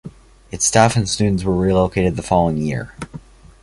Its staff and students were relocated the following year.